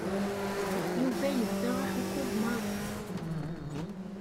Yuba yebda aḥukku d Mary.